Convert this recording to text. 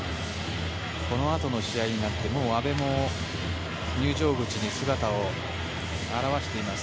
このあとの試合は阿部もすでに入場口に姿を現しています。